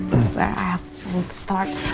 dimana saya harus mulai tapi